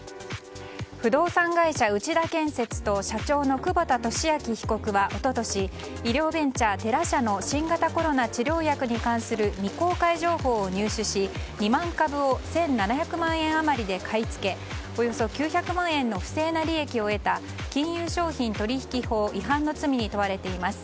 不動産会社内田建設と社長の久保田俊明被告は一昨年、医療ベンチャーテラ社の新型コロナ治療薬に関する未公開情報を入手し、２万株を１７００万円余りで買い付けおよそ９００万円の不正な利益を得た金融商品取引法違反の罪に問われています。